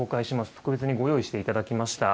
特別にご用意していただきました。